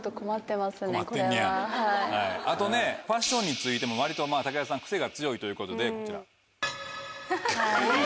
あとファッションについても割と武田さんクセが強いということでこちら。